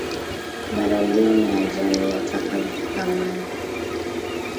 Maradhiyo ni ajali, yataka vitu thamani,